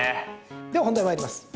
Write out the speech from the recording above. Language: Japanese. では、本題へ参ります。